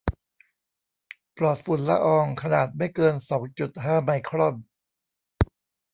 ปลอดฝุ่นละอองขนาดไม่เกินสองจุดห้าไมครอน